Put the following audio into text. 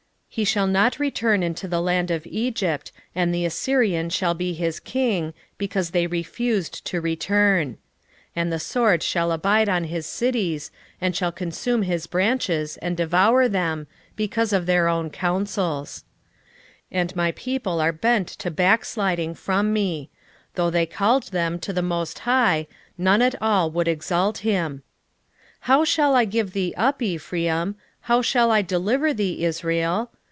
11:5 He shall not return into the land of Egypt, and the Assyrian shall be his king, because they refused to return. 11:6 And the sword shall abide on his cities, and shall consume his branches, and devour them, because of their own counsels. 11:7 And my people are bent to backsliding from me: though they called them to the most High, none at all would exalt him. 11:8 How shall I give thee up, Ephraim? how shall I deliver thee, Israel?